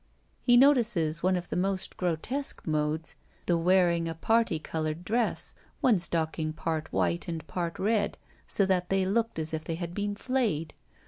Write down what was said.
He notices one of the most grotesque modes, the wearing a parti coloured dress; one stocking part white and part red, so that they looked as if they had been flayed.